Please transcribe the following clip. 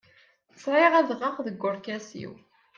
Sɛiɣ adɣaɣ deg urkas-iw.